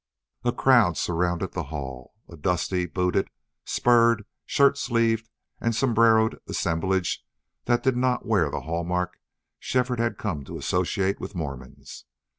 A crowd surrounded the hall a dusty, booted, spurred, shirt sleeved and sombreroed assemblage that did not wear the hall mark Shefford had come to associate with Mormons.